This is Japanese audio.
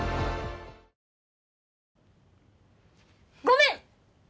ごめん！